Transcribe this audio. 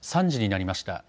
３時になりました。